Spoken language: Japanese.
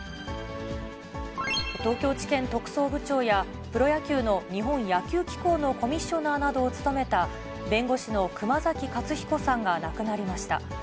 東京地検特捜部長やプロ野球の日本野球機構のコミッショナーなどを務めた弁護士の熊崎勝彦さんが亡くなりました。